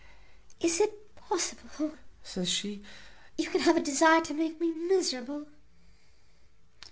"Is it possible," says she, "you can have such a desire to make me miserable?"